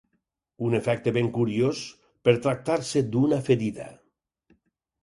Un efecte ben curiós, per tractar-se d'una ferida